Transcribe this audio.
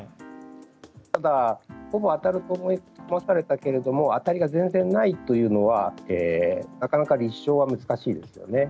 ただ、ほぼ当たると思い込まされたけど当たりが全然ないというのはなかなか立証は難しいですよね。